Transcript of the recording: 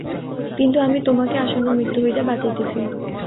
কিন্তু আমি তোমাকে আসন্ন মৃত্যু হইতে বাঁচাইতেছি।